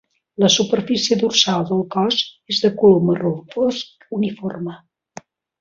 La superfície dorsal del cos és de color marró fosc uniforme.